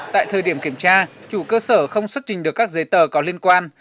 tại thời điểm kiểm tra chủ cơ sở không xuất trình được các giấy tờ có liên quan